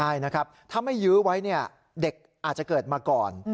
ใช่นะครับถ้าไม่ยื้อไว้เนี่ยเด็กอาจจะเกิดมาก่อน